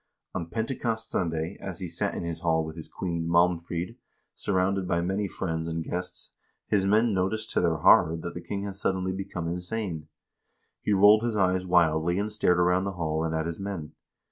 On Pentecost Sunday, as he sat in his hall with his queen, Malmfrid, surrounded by many friends and guests, his men noticed to their horror that the king had suddenly become insane. He rolled his eyes wildly and stared around the hall and at his men.